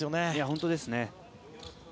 本当ですね。